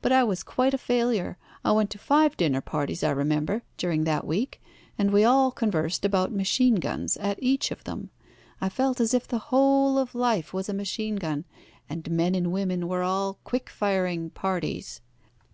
But I was quite a failure. I went to five dinner parties, I remember, during that week, and we all conversed about machine guns at each of them. I felt as if the whole of life was a machine gun, and men and women were all quick firing parties."